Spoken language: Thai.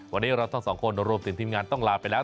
วันนี้เนื้อเราสองคนรวมติดทิมงานต้องลาไปแล้ว